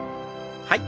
はい。